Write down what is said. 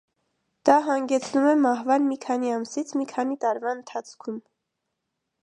Դա հանգեցնում է մահվան մի քանի ամսից մի քանի տարվա ընթացքում։